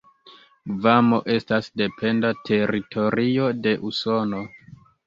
Gvamo estas dependa teritorio de Usono.